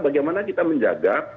bagaimana kita menjaga